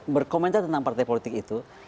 berkomentar tentang partai politik itu